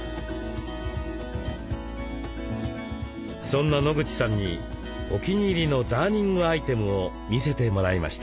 そんな野口さんにお気に入りのダーニングアイテムを見せてもらいました。